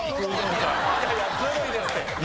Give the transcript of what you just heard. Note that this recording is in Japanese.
いやいやずるいですって。